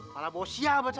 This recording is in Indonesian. malah bawa siapa saya